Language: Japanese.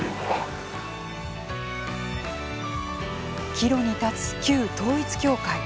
岐路に立つ旧統一教会。